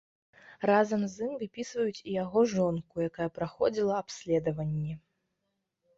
Разам з ім выпісваюць і яго жонку, якая праходзіла абследаванне.